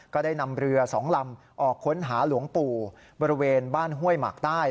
ก็ได้นำเรือ๒ลำออกค้นหาหลวงปู่บริเวณบ้านห้วยหมากใต้